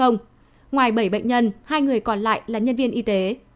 ngoài bảy bệnh nhân hai người còn lại là nhân viên y tế